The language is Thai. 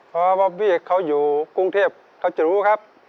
พอบอบบี้เขาอยู่กรุงเทพเขาจะรู้ครับ